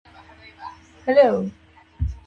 Hello!